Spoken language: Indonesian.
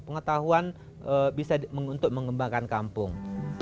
pengetahuan bisa untuk mengembangkan kampung